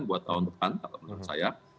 buat tahun depan kalau menurut saya